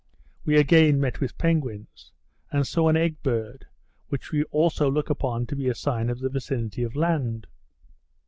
we again met with penguins: and saw an egg bird, which we also look upon to be a sign of the vicinity of land.